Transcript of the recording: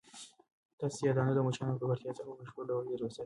تاسو سیاه دانه د مچانو او ککړتیا څخه په بشپړ ډول لیرې وساتئ.